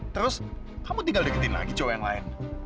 terus kamu tinggal deketin lagi coba yang lain